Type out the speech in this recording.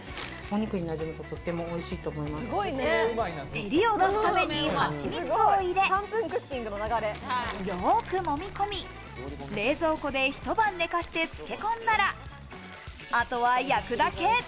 照りを出すために蜂蜜を入れ、よく、もみ込み、冷蔵庫で一晩寝かして漬け込んだら、あとは焼くだけ。